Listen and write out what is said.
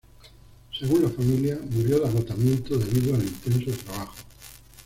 Según la familia murió de agotamiento debido al intenso trabajo.